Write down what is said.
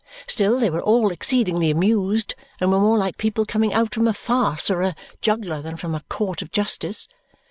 Still they were all exceedingly amused and were more like people coming out from a farce or a juggler than from a court of justice.